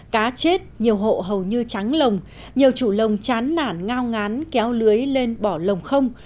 cá chết nhiều hộ hầu như trắng lồng nhiều chủ lồng chán nản ngao ngán kéo lưới lên bỏ lồng không